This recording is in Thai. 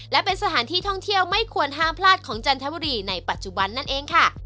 และเป็นสถานที่ท่องเที่ยวไม่ควรห้ามพลาดของจันทบุรีในปัจจุบันนั่นเองค่ะ